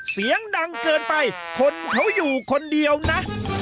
เสียงดังเกินไปคนเขาอยู่คนเดียวนะ